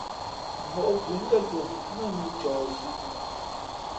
Móʼ pʉ̌ ngén kǒ nά nǔ ncααhsʉ̄ʼ.